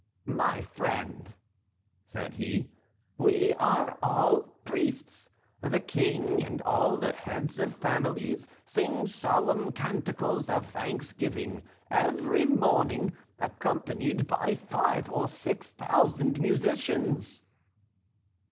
"My friend," said he, "we are all priests. The King and all the heads of families sing solemn canticles of thanksgiving every morning, accompanied by five or six thousand musicians."